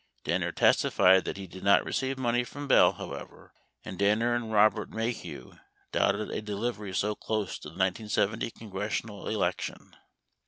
Danner testified that he did not receive money from Bell, however, and Danner and Robert Maheu doubted a delivery so close to the 1970 congressional election.